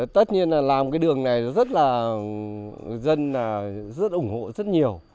tất nhiên là làm cái đường này rất là dân ủng hộ rất nhiều